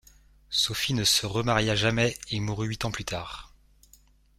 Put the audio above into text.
Sophie ne se remaria jamais et mourut huit ans plus tard.